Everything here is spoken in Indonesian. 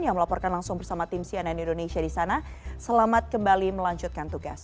yang melaporkan langsung bersama tim cnn indonesia di sana selamat kembali melanjutkan tugas